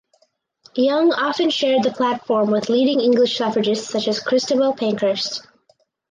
Young often shared the platform with leading English suffragists such as Christabel Pankhurst.